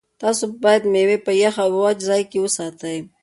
تاسو باید مېوې په یخ او وچ ځای کې وساتئ.